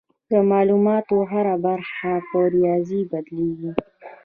د معلوماتو هره برخه په ریاضي بدلېږي.